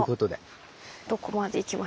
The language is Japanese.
どこまでいきましょう？